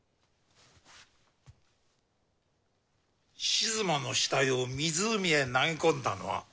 静馬の死体を湖へ投げこんだのは。